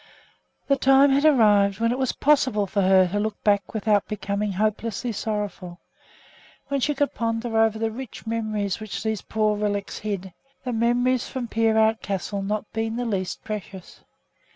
The time had arrived when it was possible for her to look back without becoming hopelessly sorrowful; when she could ponder over the rich memories which these poor relics hid, the memories from Peerout Castle not being the least precious.